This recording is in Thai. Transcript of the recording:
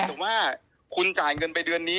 แต่ว่าคุณจ่ายเงินไปเดือนนี้